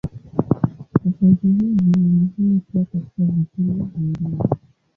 Tofauti hizi ni muhimu pia katika vipimo vingine.